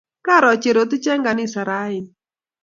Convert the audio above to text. Karo Cherotich eng' ganisa raini